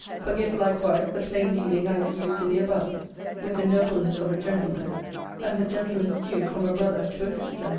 Forgive likewise the plain dealing I have used in the above, with the nobleness of a gentleman, and the gentleness due from a brother to a sister.